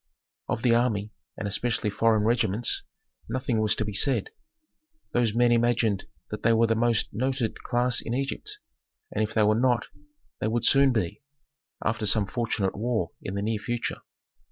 Of the army, and especially foreign regiments, nothing was to be said. Those men imagined that they were the most noted class in Egypt, and if they were not, they would soon be, after some fortunate war in the near future.